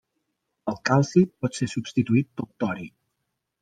El calci pot ser substituït pel tori.